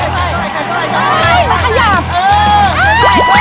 มันขยับเออ